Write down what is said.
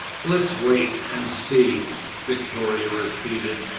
"Let's wait and see," Victoria repeated.